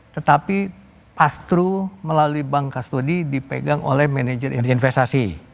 tetapi pass through melalui bank kastodi dipegang oleh manajer investasi